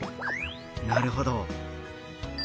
なるほど。